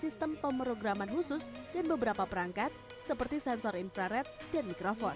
sistem pemrograman khusus dan beberapa perangkat seperti sensor infrared dan mikrofon